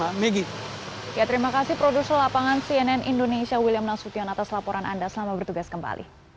ini bisa langsung menghubungi pihak bio farma